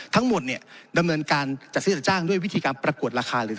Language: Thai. ทั้งหมดดำเนินการจัดซื้อตะจ้างด้วยวิธีการปรากฏราคา